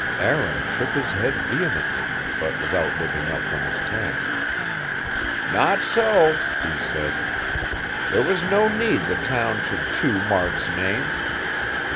Aaron shook his head vehemently, but without looking up from his task. "Not so," he said. "There was no need the town should chew Mark's name.